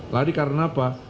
lari karena apa